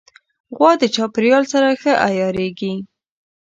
غوا د چاپېریال سره ښه عیارېږي.